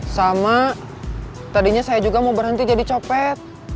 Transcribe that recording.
sama tadinya saya juga mau berhenti jadi copet